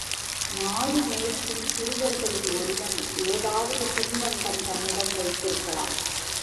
மாடு மேய்க்கும் சிறுவர்களில் ஒருவன் ஏதாவது தின்பண்டம் தன்னிடம் வைத்திருக்கலாம்.